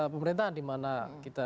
pemerintahan dimana kita